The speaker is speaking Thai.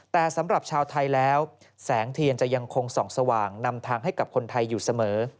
แต่สำหรับชาวไทยแล้วแสงเทียนจะยังคงส่องสว่างนำทางให้กับคนไทยอยู่เสมอ